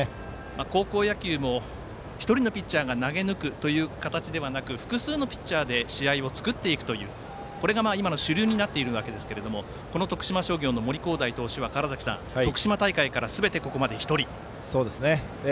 高校野球も１人のピッチャーが投げ抜くという形ではなく複数のピッチャーで試合を作っていくというこれが今の主流になっているわけですけれどもこの徳島商業の森煌誠投手は徳島大会からすべて１人。